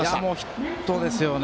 ヒットですよね。